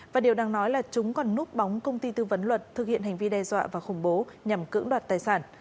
và điều đang nói là chúng còn núp bóng công ty tư vấn luật thực hiện hành vi đe dọa và khủng bố nhằm cưỡng đoạt tài sản